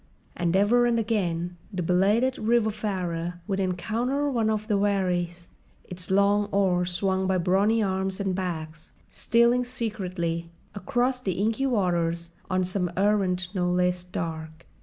And ever and again the belated riverfarer would encounter one of the wherries, its long oars swung by brawny arms and backs, stealing secretly across the inky waters on some errand no less dark.